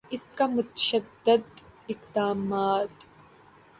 اس کا متشدد اقدامات